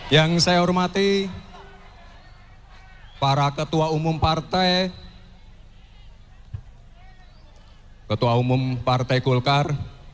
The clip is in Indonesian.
yang saya hormati para ketua umum partai ketua umum partai golkar